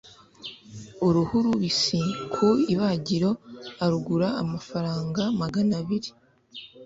uruhu rubisi ku ibagiro arugura amaranga maganabiri